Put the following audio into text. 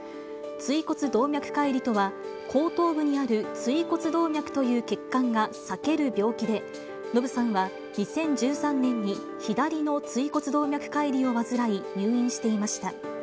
椎骨動脈かい離とは、後頭部にある椎骨動脈という血管がさける病気で、ノブさんは２０１３年に左の椎骨動脈かい離を患い、入院していました。